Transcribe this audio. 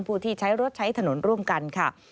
ผู้ที่ใช้รถใช้ถนนร่วมกันค่ะ